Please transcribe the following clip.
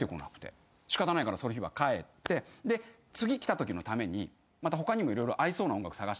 仕方ないからその日は帰って次来たときのためにまた他にも色々合いそうな音楽探したの。